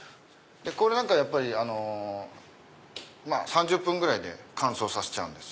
これなんか３０分ぐらいで乾燥させちゃうんですよ。